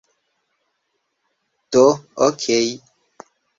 Do... okej